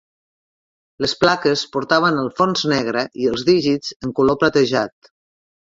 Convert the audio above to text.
Les plaques portaven el fons negre i els dígits en color platejat.